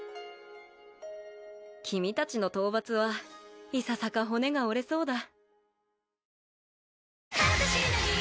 君達の討伐はいささか骨が折れそうだ